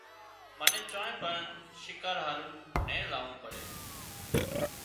منين چانئين پڻ شڪار هارو نين زاوون پڙي